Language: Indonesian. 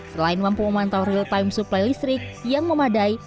selain mampu memantau real time suplai listrik yang memadai